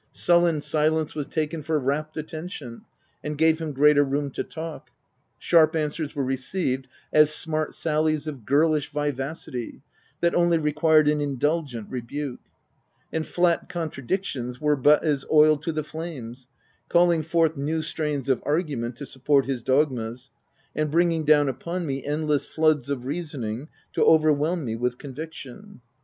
Sullen silence was taken for rapt attention, and gave him greater room to talk ; sharp answers were received as smart sallies of girlish vivacity, that only re quired an indulgent rebuke ; and flat contradic tions were but as oil to the flames, calling forth new strains of argument to support his dogmas, and bringing down upon me endless floods of reasoning to overwhelm me with conviction.